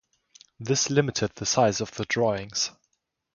This limited the size of the drawings.